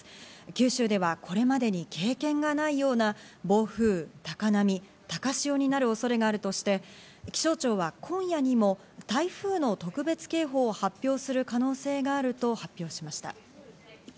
九州ではこれまでに経験がないような、暴風・高波・高潮になる恐れがあるとして、気象庁は今夜にも台風の特別警報を発表する可能性があると発表しました。